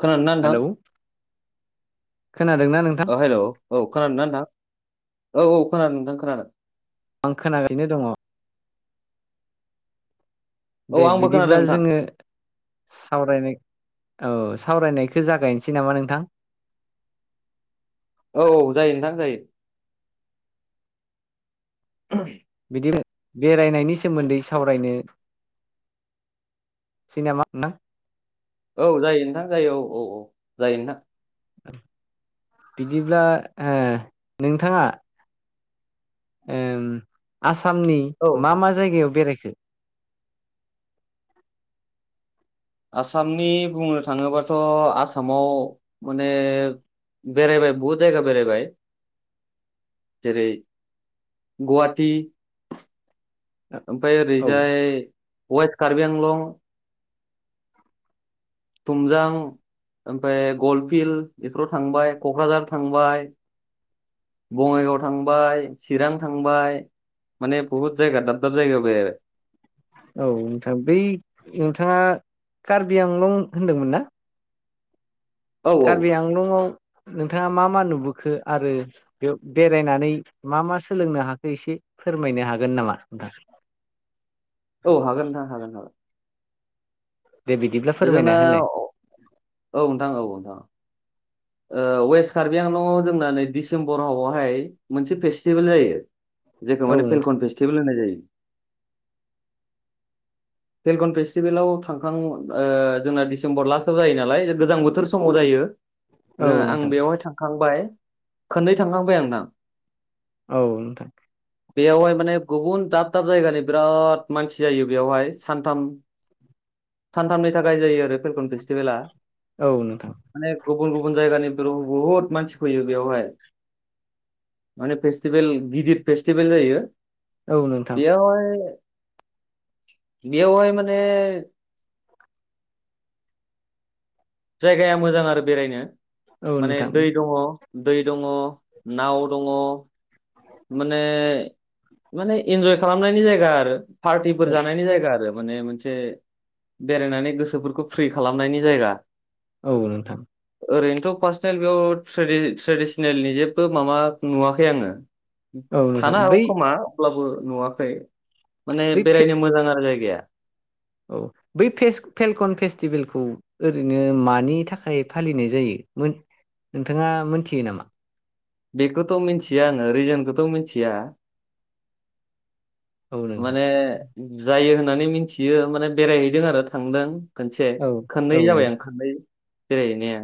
खोनादोंना नोंथां हेलौ खोनादोंना नों हेलौ औ खोनादोंना नोंथां औ औ खोनादों नोंथां खोनादों। आं खोनागासिनो दङ। औ दे आंबो खोनादों बिदिब्ला नोंथां जोङो सावरायनाय औ सावरायनायखौ जागायनोसै नामा नोंथां? औ औ जायो नोंथां जायो। [unintelligible] बिदि [unintelligible] बेरायनायनि सोमोन्दै सावरायनो सै नामा नोंथां? औ जायो नोंथां जायो औ औ औ जायो नोंथां। बिदिब्ला ओ नोंथाङा उम आसामनि औ मा नोंथां मा जायगायाव बेरायखो? आसामनि बुंनो थाङोबाथ' आसामाव माने बेरायबाय बहुद जायगा बेरायबाय। जेरै गुहाटि ओमफाय औ ओरैजाय वेस्ट कार्बिआंलं थुमजां ओमफाय गल फिल्ड बेफोराव थांबाय क'क्राझार थांबाय बङाइगाव थांबाय चिरां थांबाय माने बुहुद जायगा दाब दाब जायगाआव बेरायबाय। औ नोंथां बै नोंथाङा कार्बि आंलं होनदोंमोनना? औ कार्बि आंलंआव नोंथाङा मा मा नुबोखो आरो बेयाव बेरायनानै मा मा सोलोंनो हाखो एसे फोरमायनो हागोन नामा नोंथां? औ हागोन नोंथां हागोन हागोन। दे बिदिब्ला। फोरमायना होनाय जोंनाव औ नोंथां औ नोंथां। ओ वेस्ट कार्बि आंलंआव जोंना नै डिसेम्बरावहाय मोनसे फेस्टिभेल जायो। जेखौ औ माने फेलकन फेस्टिबेल होननाय जायो। फेलगन फेस्टिभेलाव थांखां ओ जोंना दिसेम्बर लास्टआव जायो नालाय गोजां बोथोर समाव जायो। जों आं नोंथां बेयावहाय थांखांबाय खोननै थांखांबाय आं नोंथां। औ नोंथां। बेयावहाय माने गुबुन दाब दाब जायगानि बिराद मानसि जायो बेयावहाय सानथाम सानथामनि थाखाय जायो आरो फेलखन फेस्टिभेला। औ नोंथां। माने गुबुन गुबुन जायगानि ब्रि बुहुद मानसि फैयो बेयावहाय। माने फेस्टिभेल गिदिर फेस्टिभेल जायो। औ नोंथां बेयावहाय बेयावहाय माने जायगाया मोजां आरो बेरायनो औ माने नोंथां दै दङ दै दङ नाव दङ माने माने इन्जय खालामनायनि जायगा आरो औ पार्टिफोर नोंथां जानायनि जायगा आरो माने मोनसे बेरायनानै गोसोफोरखौ फ्रि खालामनायनि जायगा। औ नोंथां ओरैनोथ' पार्सनेल बेयाव ट्रेडि-ट्रेडिसनेलनि जेबो माबा नुवाखै आङो औ नोंथां थानो हागौ बै खोमा अब्लाबो नुवाखै माने बै फे बेरायनो मोजां आरो जायगाया औ बै फेस-फेलकन फेस्टिभेलखौ ओरैनो मानि थाखाय फालिनाय जायो मोन‌ नोंथाङा मोनथियो नामा? बेखौथ' मोनथिया आङो रिजोनखौथ' मोनथिया। औ नोंथां माने जायो होननानै मिनथियो माने बेरायहैदों आरो थांदों। खोनसे औ खोननै औ जाबाय आं नोंथां खोननै बेरायहैनाया।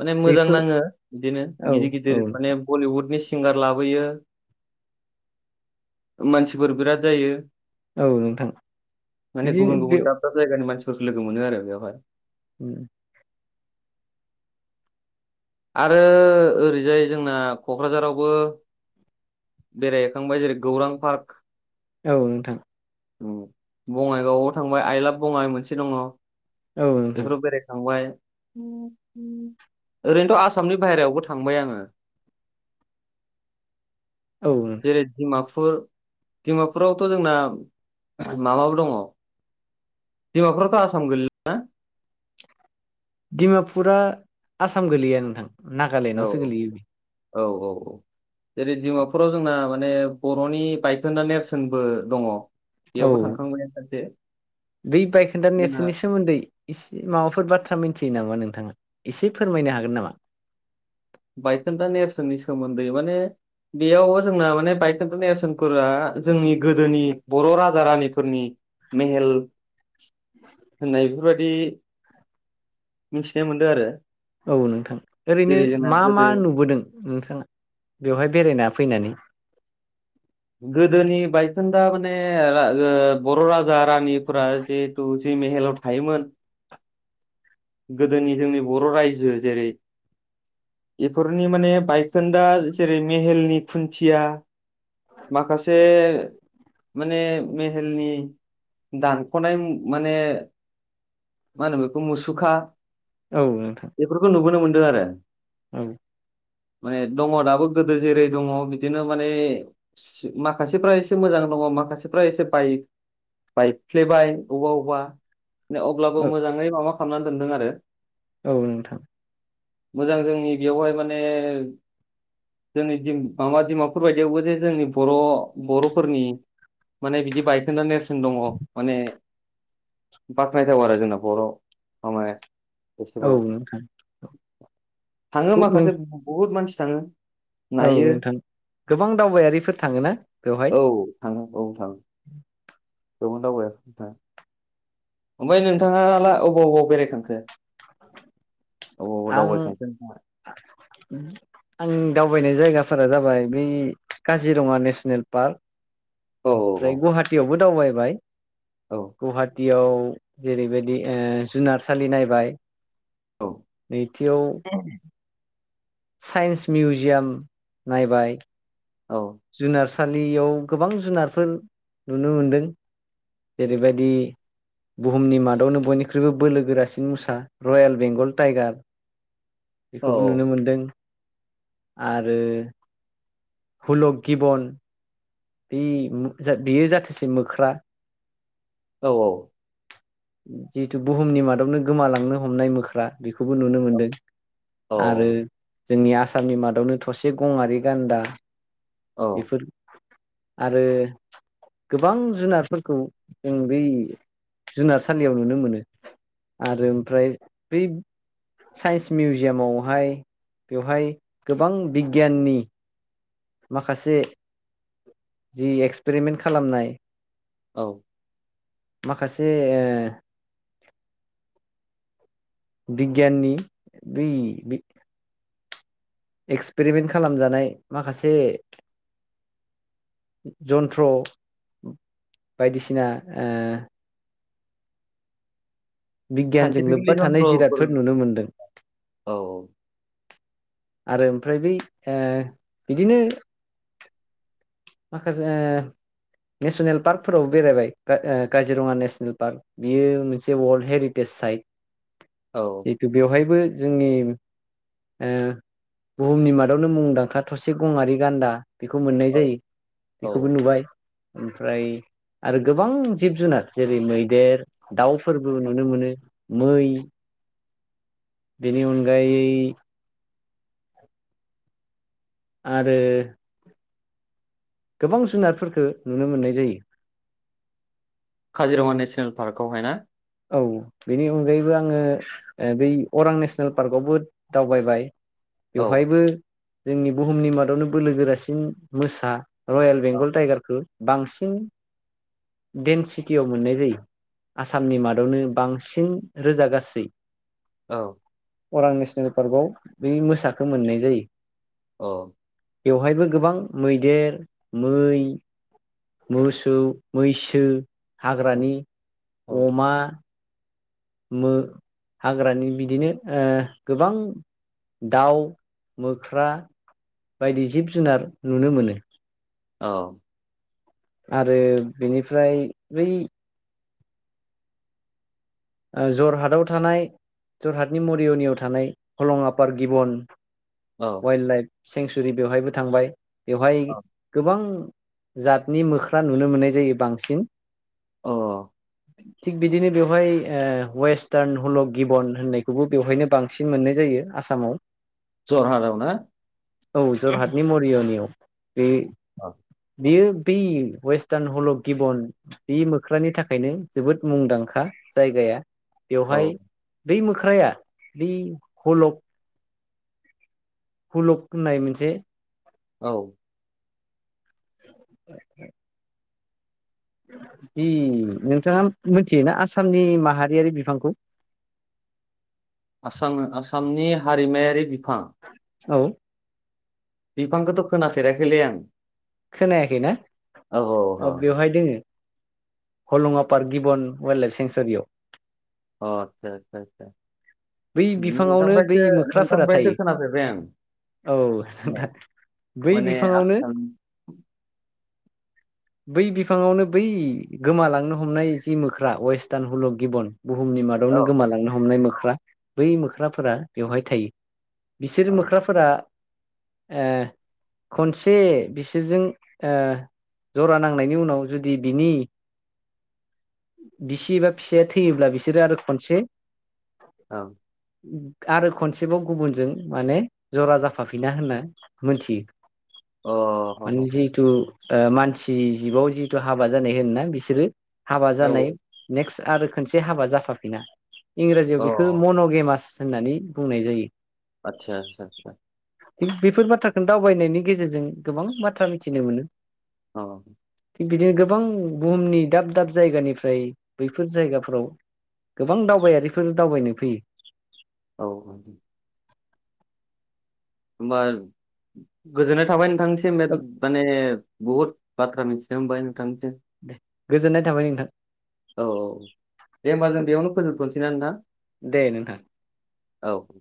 माने मोजां बेफोर नाङो बिदिनो औ गिदिर औ गिदिर माने बलिउडनि सिंगार लाबोयो मानसिफोर बिराद जायो। औ नोंथां माने बिदिनो गुबुन बे गुबुन दाब दाब जायगानि मानसिफोरखौ लोगो मोनो आरो बेयावहाय। उम। आरो ओरैजाय जोंना क'क्राझारावबो बेरायहैखांबाय जेरै गौरां पार्क औ नोंथां। उ बङाइगावआव थांबाय आइलाब बङाइ मोनसे दङ। औ नोंथां बेफोराव बेरायखांबाय ओरैनोथ' आसामनि बाहेरायावबो थांबाय आङो। औ। जै दिमापुर डिमापुरावथ' जोंना माबाबो दङ बिमाफ्रोरथ' आसाम गोलोल दिडिमापुरा आसाम गोलैया नोंथां औ नागालेण्डआवसो गोलैयो औ औ औ। एरै धिमापुराव जोंना माने बर'नि बायखोन्दा नेरसोनबो दङ। औ बेयावबो थांखांबाय सानसे बै बायखोन्दा जोंहा नेरसोननि सोमोन्दै इसि माबाफोर बाथ्रा मिथियो नामा नोंथाङा एसे फोरमायनो हागोन नामा? बायखोन्दा नेरसोननि सोमोन्दै माने बेयाव जोंना माने बाइटन्ट' नेरसोनफोरा जोंनि गोदोनि बर' राजा रानिफोरनि मेहेल होननायफोरबायदि मिथिनो मोन्दो आरो। औ नोंथां ओरैनो जेरै जोंना मा मा गोदो नुबोदों नोंथाङा बेवहाय बेरायना फैनानै? गोदोनि बायखोनदा माने रागो बर' राजा रानिफ जेहेथु जै मेहेलाव थायोमोन गोदोनि जोंनि बर' रायजो जेरै एफोरनि माने बायखोन्दा जेरै मेहेलनि खुन्थिया माखासे माने मेहेलनि दानख'नाय मु माने मा होनो बेखौ मुसुखा औ नोंथां। बेफोरखौ नुबोनो मोन्दों आरो। औ। माने दङ दाबो गोदो जेरै दङ बिदिनो माने सियो माखासेफ्रा एसे मोजां दङ माखासेफ्रा एसे बाइ बायफ्लेबाय औबा औबा अब्लाबो मोजाङै माबा खालामनानै दोनदों आरो। औ नोंथां। मोजां जोंनि बेयावहाय माने जोंनि दिम माबा धिमापुर बायदियावबो जे जोंनि बर' बर'फोरनि माने बिदि बायखोन्दा नेरसोन दङ माने बाख्नायथाव आरो जोंना बर' मामाय औ एसेबाव नोंथां थाङो गु नों माखासे बहुद मानसि थाङो। औ नायो नोंथां गोबां दावबायारिफोर थाङो ना बेवहाय? औ थांयो औ थां था। गोबां दावबायर थां ओमफाय नोंथाङा ला अबाव अबाव बेरायखांखो? अबाव अबाव आं दावबायखांखो नोंथाङा आं दावबायनाय जायगाफोरा जाबाय बै काजिरङा नेसनेल पार्क औ फ्रै गुवाहाटियावबो दावबायबाय। औ गुवाहाटियाव जेरैबायदि ओ जुनारसालि नायबाय। औ। नैथियाव [unintelligible] साइन्स मिउजियाम नायबाय। औ जुनारसालियाव गोबां जुनारफोर नुनो मोनदों। जेरैबायदि बुहुमनि मादावनो बयनिख्रुइबो बोलो गोरासिन मुसा रयेल बेंगल टाइगार। [inaudible] बेखौबो नुनो मोनदों आरो हलख गिबन बेयो जाथोसे मोख्रा। औ औ जिहेतु बुहुमनि मादावनो गोमालांनो हमनाय मोख्रा बेखौबो नुनो मोनदों। औ आरो जोंनि आसामनि मादावनो थसे गङारि गान्दा। औ फोर आरो गोबां जुनारफोरखौ जों बै जुनारसालियाव नुनो मोनो। आरो ओमफ्राय बै साइन्स मिउजियामावहाय बेवहाय गोबां बिगियाननि माखासे जि एक्सपेरिमेन्ट खालामनाय औ माखासे ओ बिगियाननि बै बे एक्सपेरिमेन्ट खालामजानाय माखासे जन्थ्र बायदिसिना ओ बिगियानजों साइन्टिफिकेलि लोब्बा थानाय जन्थ्रफोर जिरादफोर नुनो मोन्दों। औ आरो ओमफ्राय बै बिदिनो माखासे नेसनेल पार्कफोरावबो बेरायबाय काजिरङा नेसनेल पार्क। बियो मोनसे वल्ड हेरिटेज साइट औ जितु बेवहायबो जोंनि बुहुमनि मादावनो मुंदांखा थसे गङारि गान्दा बेखौ मोननाय जायो। औ बेखौबो नुबाय ओमफ्राय आरो गोबां जिब जुनार जेरै मैदेर दाउ फोरबो नुनो मोनो मै बेनि अनगायै आरो गोबां जुनारफोरफोरखो नुनो मोननाय जायो। काजिरङा नेसनेल पार्कआवहाय ना? औ बेनि अनगायैबो आङो ओ बै अरां नेसनेल पार्कआवबो दावबाय औ बेवहायबो जोंनि बुहुमनि मादावनो बोलो गोरासिन मोसा रयेल औ बेंगल टाइगारखौ बांसिन डेनसिटियाव मोननाय जायो आसामनि मादाव आवनो बांसिन रोजा गासै औ अरां नेसनेल पार्कआव बे मोसाखो मोननाय जायो। अ बेवहायबो गोबां मैदेर मै मोसौ मैसो हाग्रानि औ अमा मो हाग्रानि बिदिनो ओ गोबां दाउ मोख्रा बायदि जिब जुनार नुनो मोनो। औ आरो बेनिफ्राय बै ओ जरहाटआव थानाय जरहाटनि मरिय'नियाव थानाय हलंआपार गिबन औ वेल लाइफ सेंसुरि बेवहायबो थांबाय बेवहाय गोबां जातनि मोख्रा नुनो मोननाय जायो बांसिन अ थिग बिदिनो बेवहाय ओ वेस्टार्न हल' गिबन होननायखौबो बेवहायनो बांसिन मोननाय जायो आसामाव जरहाटाव ना औ जरहाटनि मरिय'नियाव बे अ बियो बै वेस्टार्न हलक गिबन बे मोख्रानि थाखायनो जोबोद मुंदांखा जायगाया औ बेवहाय बै मोख्राया बै हलक हलग होननाय मोनसे औ जि नोंथाङा मोनथियोना आसामनि माहारियारि बिफांखौ? आसाम आसामनि हारिमायारि बिफां औ बिफांखोथ' खोनाफेराखैलै आं खोनायाखैना? औ औ अ औ बेवहाय दोङो हलङा पार्क गिबन वाइल्ड लाइफ सेेंसुरियाव अ आदसा आदसा आदसा बै उम बिफाङावनो बै नोंथांफ्रायसो मोख्राफोरा नोंथांफ्रायसो थायो खोनफेरबाय आं औ नोंथां बै माने बिफाङावनो आसाम बै बिफाङावनो बै गोमालांनो हमनाय जि मोख्रा वेस्टार्न हुलुक गिबन बुहुमनि माद बेयावनो औ गोमालांनो हमनाय मोख्रा बै मोख्राफोरा बेवहाय थायो बिसोर औ मोख्राफोरा ओ खनसे बिसोरजों ओ जरा नांनायनि उनाव जुदि बिनि बिसि एबा फिसाया थैयोब्ला बिसोरो आरो खनसे औ आरो खनसेबाव गुबुनजों माने जरा जाफाफिना होनना अ मोनथियो। ह माने ह जिहथु ओ मानसि जिबआव जिहेतु हाबा जानाय होनोना बिसोरो हाबा ह औ जानाय नेक्स्ट आरो खनसे हाबा जाफाफिना औ इंराजियाव बेखौ मन'गेमास होननानै बुंनाय जायो। आदसा-आदसा बेफोर बाथ्राखौनो दावबायनायनि गेजेरजों गोबां बाथ्रा मिथिनो मोनो। औ थिग बिदिनो गोबां बुहुमनि दाब दाब जायगानिफ्राय बैफोर जायगाफोराव गोबां दावबायारिफोर दावबायनो फैयो औे होमबा गोजोननाय थाबाय नोंथांनिसिम माने बहुद बाथ्रा मिथिनो मोनबाय नोंथांनिसिम दे गोजोननाय थाबाय नोंथां औ औ दे होमबा जों बेयावनो फोजोबथ'नोसै ना नोंथां दे नोंथां औ